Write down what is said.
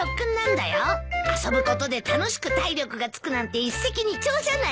遊ぶことで楽しく体力がつくなんて一石二鳥じゃないか。